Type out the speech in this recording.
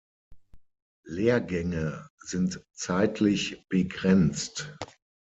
Lehrgänge sind zeitlich begrenzt.